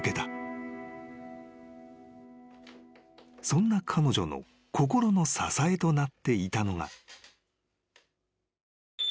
［そんな彼女の心の支えとなっていたのが］